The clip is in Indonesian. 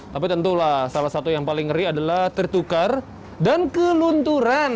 tapi tentulah salah satu yang paling ngeri adalah tertukar dan kelunturan